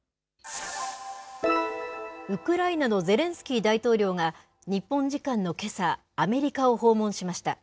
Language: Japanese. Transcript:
ウクライナのゼレンスキー大統領が日本時間のけさ、アメリカを訪問しました。